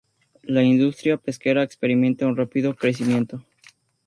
La industria pesquera experimenta un rápido crecimiento.